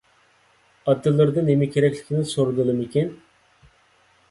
ئاتىلىرىدىن نېمە كېرەكلىكىنى سورىدىلىمىكىن.